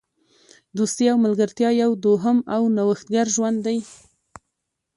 دوستي او ملګرتیا یو دوهم او نوښتګر ژوند دی.